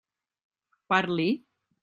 Parli!